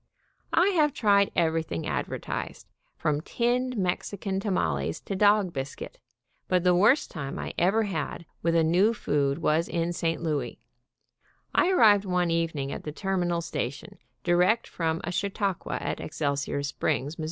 I have tried everything adver tised, from tinned Mexican tamales to dog biscuit. But the worst time I ever had with a new kind of food was in St. Louis. I arrived one evening at the terminal station, direct from a chautauqua at Excel sior Springs, Mo.